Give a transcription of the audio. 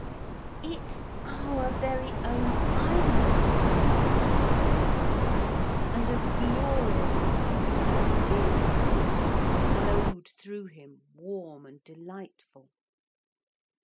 'It's our very own island,' he said, and a glorious feeling of being at home glowed through him, warm and delightful.